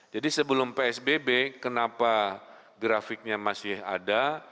jadi sebelum psbb kenapa grafiknya masih ada